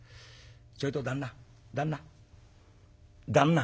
「ちょいと旦那旦那旦那」。